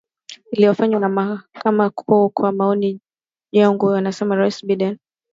lililofanya na Mahakama Kuu kwa maoni yangu amesema rais Biden